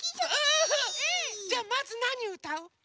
じゃあまずなにうたう？